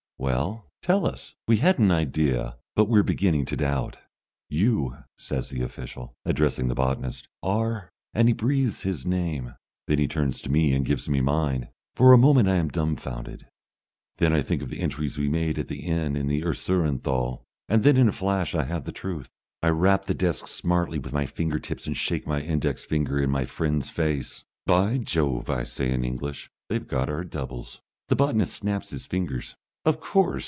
Well tell us! We had an idea, but we're beginning to doubt." "You," says the official, addressing the botanist, "are !" And he breathes his name. Then he turns to me and gives me mine. For a moment I am dumbfounded. Then I think of the entries we made at the inn in the Urserenthal, and then in a flash I have the truth. I rap the desk smartly with my finger tips and shake my index finger in my friend's face. "By Jove!" I say in English. "They've got our doubles!" The botanist snaps his fingers. "Of course!